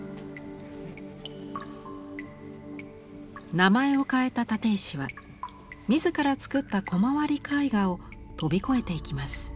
名前を変えた立石は自ら作ったコマ割り絵画を飛び越えていきます。